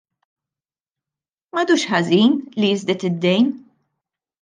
M'għadux ħażin li jiżdied id-dejn!